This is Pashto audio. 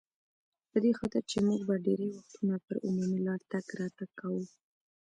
په دې خاطر چې موږ به ډېری وختونه پر عمومي لار تګ راتګ کاوه.